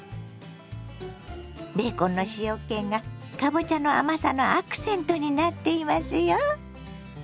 ベーコンの塩けがかぼちゃの甘さのアクセントになっていますよ。